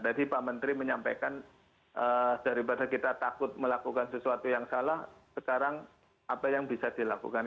jadi pak menteri menyampaikan daripada kita takut melakukan sesuatu yang salah sekarang apa yang bisa dilakukan